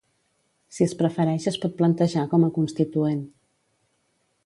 Si es prefereix es pot plantejar com a constituent.